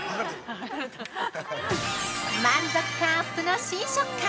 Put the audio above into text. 満足感アップの新食感！